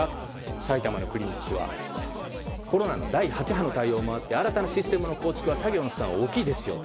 埼玉のクリニックはコロナの第８波の対応もあって新たなシステムの構築は作業の負担が大きいですよと。